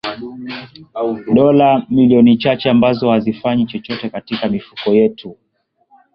dola milioni chache ambazo hazifanyi chochote katika mifuko yetu